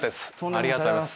ありがとうございます。